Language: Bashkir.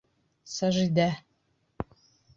Сажидә.